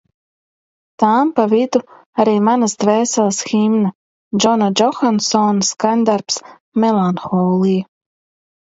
Tām pa vidu arī manas dvēseles himna – Džona Džohansona skaņdarbs Melanholija.